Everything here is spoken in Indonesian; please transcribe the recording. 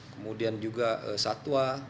kemudian juga satwa